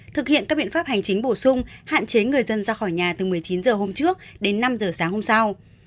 thực hiện các biện pháp hành chính bổ sung hạn chế người dân ra khỏi nhà từ một mươi chín h hôm trước đến năm h sáng hôm sau